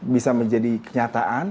bisa menjadi kenyataan